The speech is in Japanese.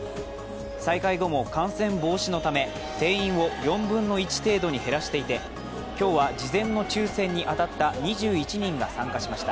再開後も感染防止のため、定員を４分の１程度に減らしていて、今日は、事前の抽選に当たった２１人が参加しました。